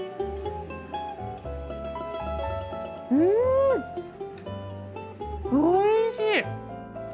うんおいしい！